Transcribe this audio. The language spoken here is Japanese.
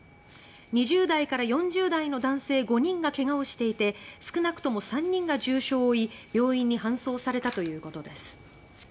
２０代から４０代の男性５人が怪我をしていて少なくとも３人が重傷を負い病院に搬送されたということです。